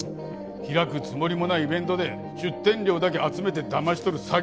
開くつもりもないイベントで出店料だけ集めて騙し取る詐欺だったんですよ。